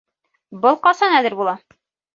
Был ҡасан әҙер була?